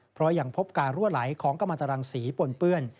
เพราะยังพบการรั่วไหลของกำลังตรังศรีปนเปื้อน